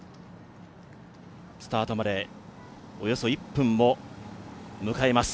スタートまでおよそ１分を迎えます。